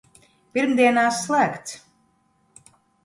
Pirmdienās slēgts!